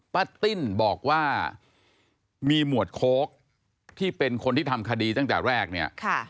ติ้นบอกว่ามีหมวดโค้กที่เป็นคนที่ทำคดีตั้งแต่แรกเนี่ย